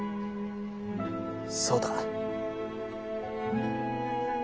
そうだ。